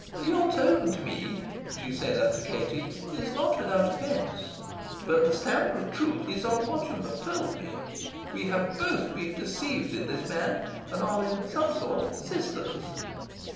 "Your tone to me," she said up to Katie, "is not without offence; but the stamp of truth is on what you tell me. We have both been deceived in this man, and are, in some sort, sisters."